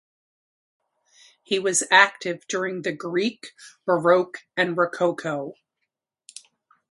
He was active during the Greek Baroque and Rococo.